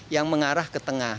yang mengarah ke tengah